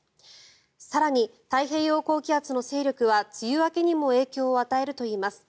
更に、太平洋高気圧の勢力は梅雨明けにも影響を与えるといいます。